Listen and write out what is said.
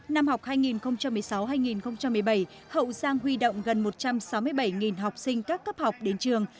năm học hai nghìn một mươi sáu hai nghìn một mươi bảy hậu giang huy động gần một trăm sáu mươi bảy học sinh các cấp học đến trường